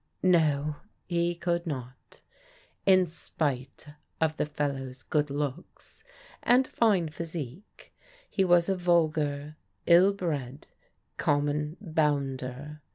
No, he could not. In spite of the fellow's good looks, and fine physique, he was a vulgar, ill bred, common bounder.